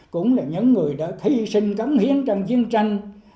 cũng là những người đã thi sinh cấm hiến trong chiến tranh